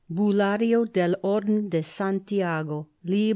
(Bulario del Orden de Santiago, Lib.